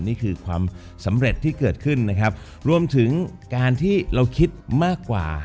นี่คือความสำเร็จที่เกิดขึ้นนะครับรวมถึงการที่เราคิดมากกว่า